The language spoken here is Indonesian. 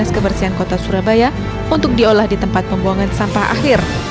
dinas kebersihan kota surabaya untuk diolah di tempat pembuangan sampah akhir